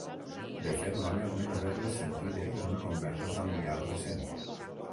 De fet, l'home admet haver-les sentides en una conversa familiar recent.